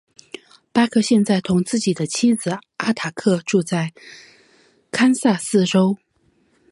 巴克现在同自己的妻子阿塔克住在堪萨斯州。